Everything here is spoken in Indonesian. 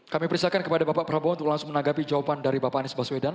kami perintahkan kepada bapak prabowo untuk langsung menanggapi jawaban dari bapak anies baswedan